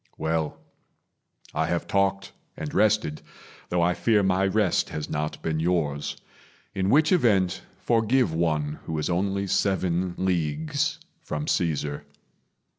Well, I have talked and rested, though I fear My rest has not been yours; in which event, Forgive one who is only seven leagues From Caesar.